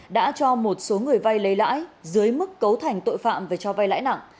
đã cho một số người vai lấy lãi dưới mức cấu thành tội phạm về cho vai lãi nặng